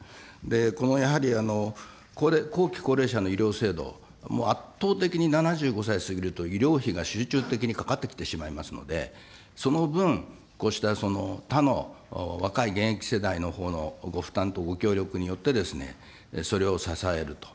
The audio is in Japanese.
このやはり、後期高齢者の医療制度、もう圧倒的に７５歳を過ぎると、医療費が集中的にかかってきてしまいますので、その分、こうした他の若い現役世代のほうのご負担とご協力によってですね、それを支えると。